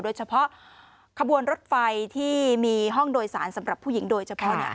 โดยเฉพาะขบวนรถไฟที่มีห้องโดยสารสำหรับผู้หญิงโดยเฉพาะเนี่ย